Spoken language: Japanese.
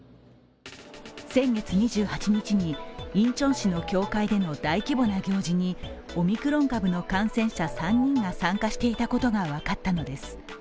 先月２８日にインチョン市の教会での大規模な行事にオミクロン株の感染者３人が参加していたことが分かったのです。